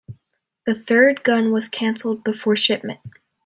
The third gun was cancelled before shipment.